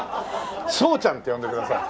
「そうちゃん」って呼んでください。